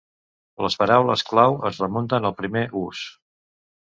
Les paraules clau es remunten al primer ús.